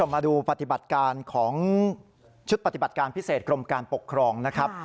มาดูปฏิบัติการของชุดปฏิบัติการพิเศษกรมการปกครองนะครับ